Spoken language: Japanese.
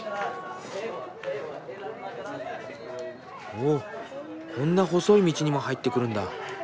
おっこんな細い道にも入ってくるんだ。